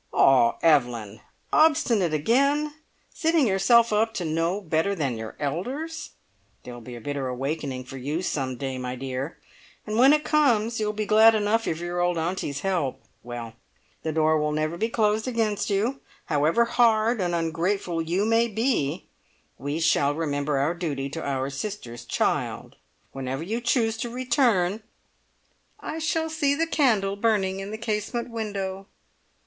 "Ah, Evelyn! Obstinate again! Setting yourself up to know better than your elders. There'll be a bitter awakening for you some day, my dear, and when it comes you will be glad enough of your old aunties' help. Well! the door will never be closed against you. However hard and ungrateful you may be, we shall remember our duty to our sister's child. Whenever you choose to return " "I shall see the candle burning in the casement window!"